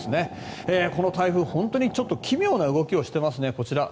この台風、本当に奇妙な動きをしていますね。